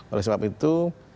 oleh sebab itu